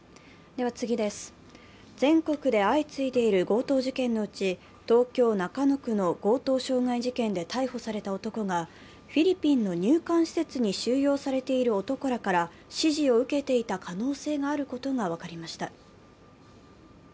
全国で相次いでいる強盗事件のうち東京・中野区の強盗傷害事件で逮捕された男が、フィリピンの入管施設に収容されている男らから指示を受けていた可能性があることが分かりました。